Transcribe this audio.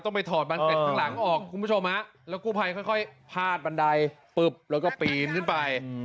ไปถอดบันเกร็ดข้างหลังออกคุณผู้ชมฮะแล้วกู้ภัยค่อยพาดบันไดปุ๊บแล้วก็ปีนขึ้นไป